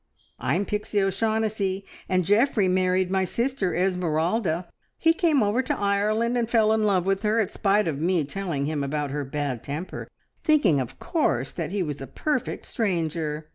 "I'm Pixie O'Shaughnessy, and Geoffrey married my sister Esmeralda. He came over to Ireland and fell in love with her in spite of me telling him about her bad temper, thinking of course that he was a perfect stranger.